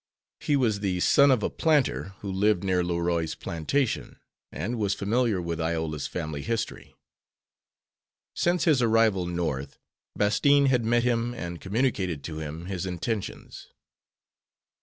He was the son of a planter who lived near Leroy's plantation, and was familiar with Iola's family history. Since his arrival North, Bastine had met him and communicated to him his intentions.